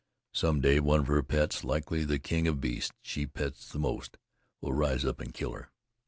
Some day, one of her pets likely the King of Beasts she pets the most will rise up and kill her.